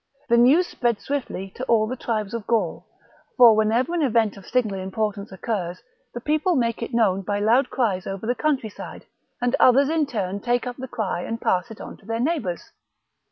The news spread swiftly to all the tribes of Gaul ; for whenever an event of signal importance occurs, the people make it known by loud cries over the country side, and others in turn take up the cry and pass it on to their neighbours.